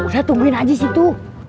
saya tungguin aja disitu